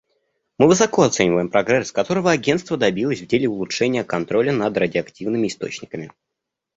Мы высоко оцениваем прогресс, которого Агентство добилось в деле улучшения контроля над радиоактивными источниками.